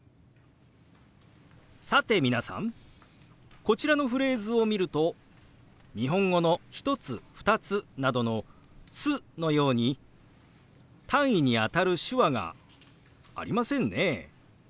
さて皆さんこちらのフレーズを見ると日本語の「１つ」「２つ」などの「つ」のように単位にあたる手話がありませんね。